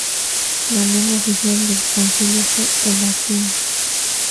La lengua oficial del Concilio fue el latín.